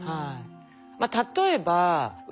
例えばへ。